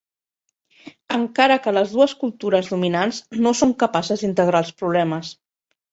Encara que les dues cultures dominants no són capaces d'integrar els problemes.